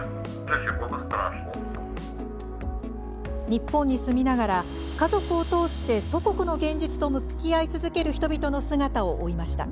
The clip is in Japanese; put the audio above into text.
日本に住みながら家族を通して祖国の現実と向き合い続ける人々の姿を追いました。